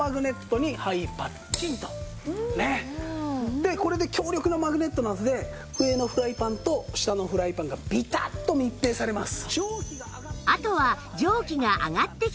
でこれで強力なマグネットの圧で上のフライパンと下のフライパンがビタッと密閉されます。